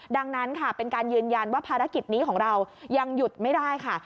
ดังนั้นค่ะเป็นการยืนยันว่าภารกิจนี้ของเรายังหยุดไม่ได้ค่ะ